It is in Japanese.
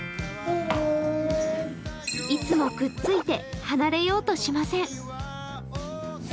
いつもくっついて離れようとしません。